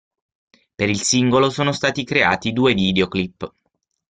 Per il singolo sono stati creati due videoclip.